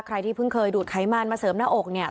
ใครที่เพิ่งเคยดูดไขมันมาเสริมหน้าอกเนี่ย